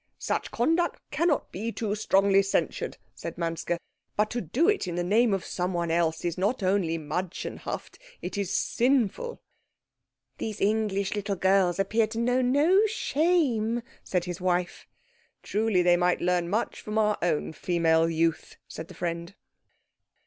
"Such conduct cannot be too strongly censured," said Manske. "But to do it in the name of someone else is not only not mädchenhaft, it is sinful." "These English little girls appear to know no shame," said his wife. "Truly they might learn much from our own female youth," said the friend.